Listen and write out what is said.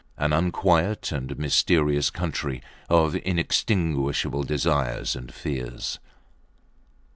An unquiet and mysterious country of inextinguishable desires and fears.